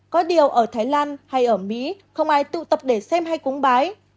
có điều ở thái lan hay ở mỹ không ai tụ tập để xem hay cúng bái